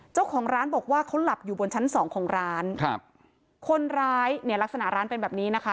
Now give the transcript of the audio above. เจ้าของร้านบอกว่าเขาหลับอยู่บนชั้นสองของร้านครับคนร้ายเนี่ยลักษณะร้านเป็นแบบนี้นะคะ